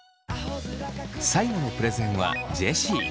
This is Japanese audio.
最後のプレゼンはジェシー。